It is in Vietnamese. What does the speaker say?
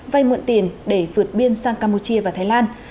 vay mượn tiền để vượt biên sang campuchia và thái lan